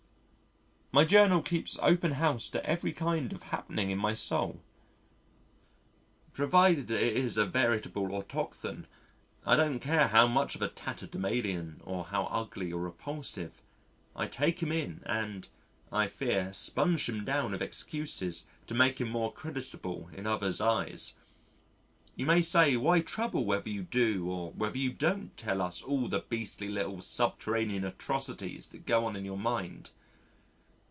My Journal keeps open house to every kind of happening in my soul. Provided it is a veritable autochthon I don't care how much of a tatterdemalion or how ugly or repulsive I take him in and I fear sponge him down with excuses to make him more creditable in other's eyes. You may say why trouble whether you do or whether you don't tell us all the beastly little subterranean atrocities that go on in your mind.